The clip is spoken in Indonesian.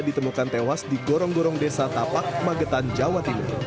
ditemukan tewas di gorong gorong desa tapak magetan jawa timur